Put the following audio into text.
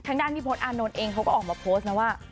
ทางด้านพี่พศอานนท์เองเขาก็ออกมาโพสต์นะว่า